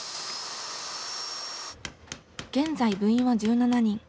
現在部員は１７人。